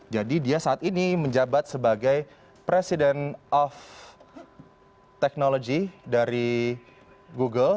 jadi dia saat ini menjabat sebagai president of technology dari google